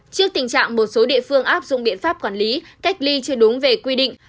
trước tình trạng một số địa phương áp dụng biện pháp quản lý cách ly chưa đúng về quy định